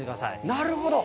なるほど。